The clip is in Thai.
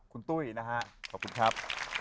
คุณตุ้ยเนขอบคุณครับ